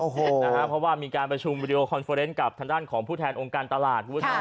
โอ้โหนะฮะเพราะว่ามีการประชุมวีดีโอคอนเฟอร์เรนต์กับท่านด้านของผู้แทนองค์การตลาดวัฒนา